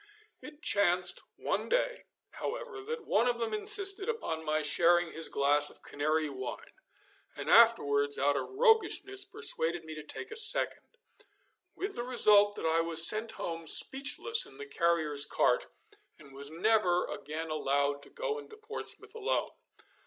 It chanced one day, however, that one of them insisted upon my sharing his glass of Canary wine, and afterwards out of roguishness persuaded me to take a second, with the result that I was sent home speechless in the carrier's cart, and was never again allowed to go into Portsmouth alone.